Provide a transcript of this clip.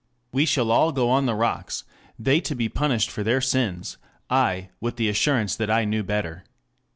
We shall all go on the rocks, they to be punished for their sins; I, with the assurance that I knew better....